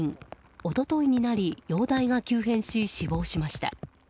一昨日になり容体が急変し死亡しました。